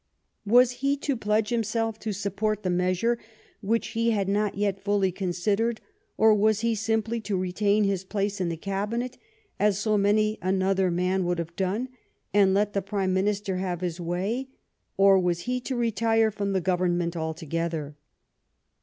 Was he to pledge him self to support the measure which he had not yet fully considered, or was he simply to retain his place in the Cabinet, as so many another man would have done, and let the Prime Minister have his way, or was he to retire from the Gov ernment altogether